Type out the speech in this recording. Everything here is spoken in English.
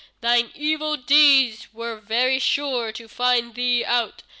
Thine evil deeds were very sure to find thee out.